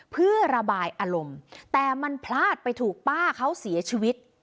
เพื่อระบายอารมณ์แต่มันพลาดไปถูกป้าเขาเสียชีวิต